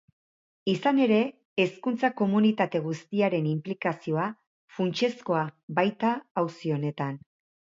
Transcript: Izan ere, hezkuntza komunitate guztiaren inplikazioa funtsezkoa baita auzi honetan.